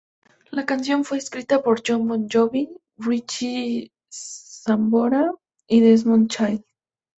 La canción fue escrita por Jon Bon Jovi, Richie Sambora y Desmond Child.